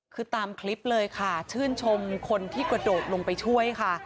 คือตามคลิปเลยค่ะชื่นชมคนที่กระโดดลงไปช่วยค่ะ